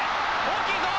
大きいぞ！